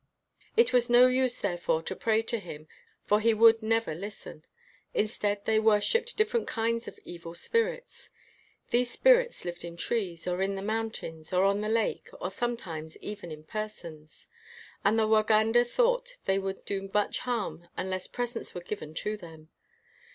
It was no use therefore to pray to him, for he would never listen. Instead, they wor shiped different kinds of evil spirits. These spirits lived in trees, or on the mountains, or on the lake, or sometimes even in per sons ; and the Waganda thought they would do much harm unless presents were given to them.